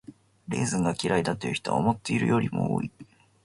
レーズンが嫌いだという人は思っているよりも多い。